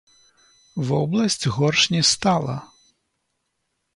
Вобласць горш не стала.